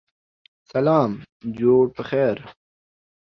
سلام جوړ پخیر